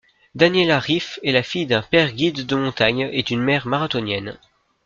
Daniela Ryf est la fille d'un père guide de montagne et d'une mère marathonienne.